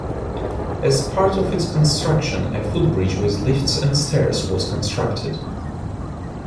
As part of its construction, a footbridge with lifts and stairs was constructed.